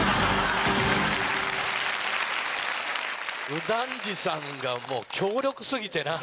右團次さんが強力過ぎてな。